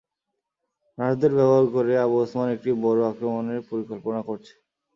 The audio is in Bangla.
নার্সদের ব্যবহার করে, আবু উসমান একটি বড় আক্রমণের পরিকল্পনা করছে।